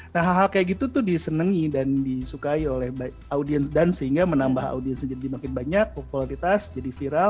nah hal hal kayak gitu tuh disenangi dan disukai oleh audiens dan sehingga menambah audiensnya jadi makin banyak popularitas jadi viral